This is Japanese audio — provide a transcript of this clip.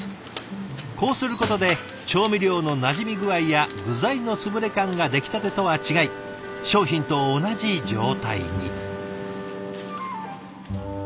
こうすることで調味料のなじみ具合や具材の潰れ感が出来たてとは違い商品と同じ状態に。